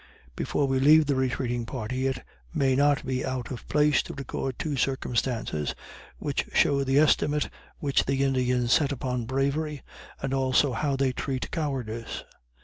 Before we leave the retreating party, it may not be out of place to record two circumstances which show the estimate which the Indians set upon bravery, and also how they treat cowardice.